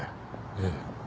ええ。